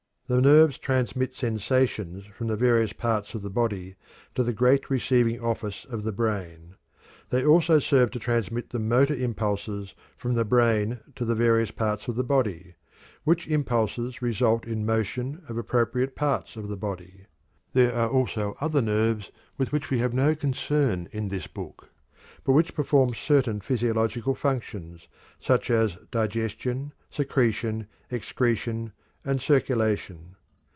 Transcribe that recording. The nerves transmit sensations from the various parts of the body to the great receiving office of the brain. They also serve to transmit the motor impulses from the brain to the various parts of the body, which impulses result in motion of appropriate parts of the body. There are also other nerves with which we have no concern in this book, but which perform certain physiological functions, such as digestion, secretion, excretion, and circulation.